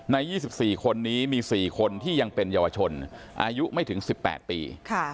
ในยี่สิบสี่คนนี้มีสี่คนที่ยังเป็นเยาวชนอายุไม่ถึงสิบแปดปี